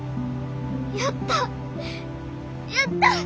やったやった！